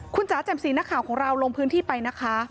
คุณจ๋าแจ่มสีนักข่าวของเราลงพื้นที่ไปนะคะ